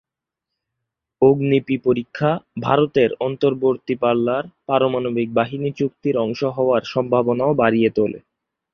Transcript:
অগ্নি-পি পরীক্ষা ভারতের অন্তর্বর্তী-পাল্লার পারমাণবিক বাহিনী চুক্তির অংশ হওয়ার সম্ভাবনাও বাড়িয়ে তোলে।